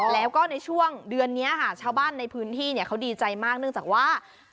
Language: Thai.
แล้วก็ในช่วงเดือนนี้ค่ะชาวบ้านในพื้นที่เขาดีใจมากเนื่องจากว่า